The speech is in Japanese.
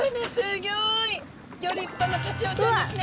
ギョ立派なタチウオちゃんですね！